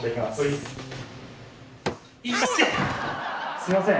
すいません。